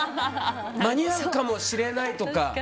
間に合うかもしれないとか。